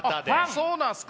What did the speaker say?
そうなんですか？